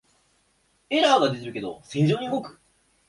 エラーが出てるけど正常に動く